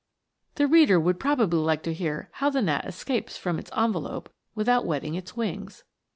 The reader would probably like to hear how the gnat escapes from its envelope, without wetting its wings.